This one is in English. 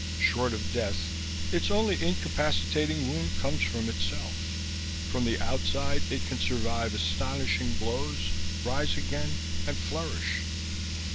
Short of death, its only incapacitating wound comes from itself; from the outside it can survive astonishing blows, rise again and flourish.